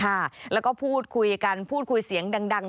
ค่ะแล้วก็พูดคุยกันพูดคุยเสียงดัง